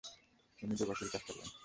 উনি দোভাষীর কাজ করবেন।